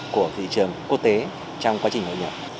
của thị trường quốc tế trong quá trình hội nhập